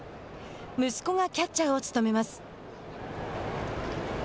息子がキャッチャーを務めます。